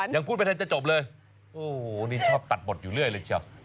ยังพูดไม่ทันจะจบเลยโอ้โหนี่ชอบตัดบทอยู่เรื่อยเลยเชียว